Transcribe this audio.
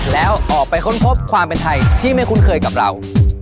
แล้วออกไปค้นพบความเป็นไทยที่ไม่คุ้นเคยกับเรา